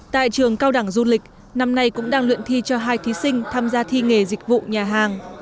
tại trường cao đẳng du lịch năm nay cũng đang luyện thi cho hai thí sinh tham gia thi nghề dịch vụ nhà hàng